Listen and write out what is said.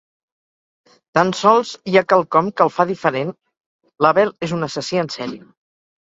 Tan sols hi ha quelcom que el fa diferent: l'Abel és un assassí en sèrie.